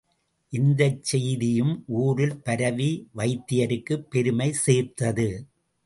இந்தச் செய்தியும் ஊரில் பரவி, வைத்தியருக்குப் பெருமை சேர்த்தது.